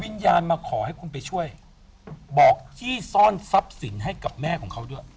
วิญญาณมาขอให้คุณไปช่วยบอกที่ซ่อนทรัพย์สินให้กับแม่ของเขาด้วย